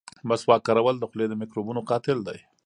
مسواک کارول د خولې د میکروبونو قاتل دی.